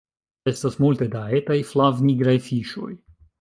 Estas multe da etaj flavnigraj fiŝoj